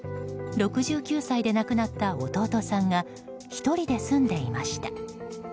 ６９歳で亡くなった弟さんが１人で住んでいました。